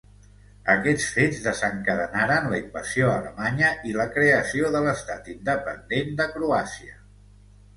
Aquests fets desencadenaren la invasió alemanya i la creació de l'Estat independent de Croàcia.